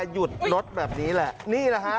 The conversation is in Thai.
หยุดรถแบบนี้แหละนี่แหละฮะ